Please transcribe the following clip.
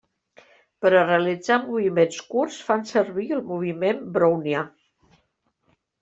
Per a realitzar moviments curts fan servir el moviment brownià.